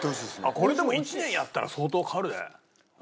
これでも１年やったら相当変わるね。